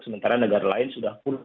sementara negara lain sudah full